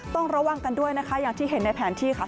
ต้องระวังกันด้วยนะคะอย่างที่เห็นในแผนที่ค่ะ